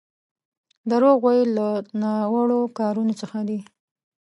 دروغ ويل يو له ناوړو کارونو څخه دی.